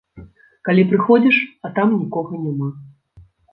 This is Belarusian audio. Калі прыходзіш, а там нікога няма.